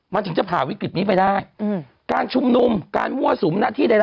มันถึงจะผ่าวิกฤตนี้ไปได้อืมการชุมนุมการมั่วสุมหน้าที่ใด